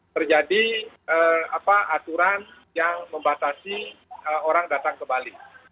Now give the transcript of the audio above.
terjadi aturan yang membatasi orang datang ke bali